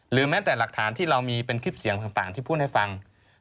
แม้แต่หลักฐานที่เรามีเป็นคลิปเสียงต่างที่พูดให้ฟัง